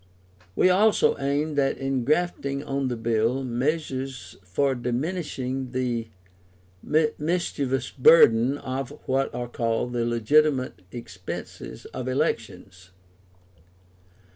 We also aimed at engrafting on the Bill, measures for diminishing the mischievous burden of what are called the legitimate expenses of elections.